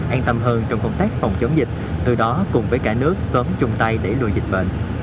an tâm hơn trong công tác phòng chống dịch từ đó cùng với cả nước sớm chung tay để lùi dịch bệnh